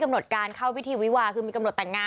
กำหนดการเข้าวิทีวิวคือมีกำหนดแต่ง